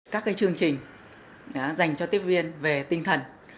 các chương trình dành cho tiếp viên về tinh thần